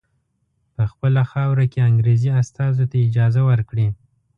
په خپله خاوره کې انګریزي استازو ته اجازه ورکړي.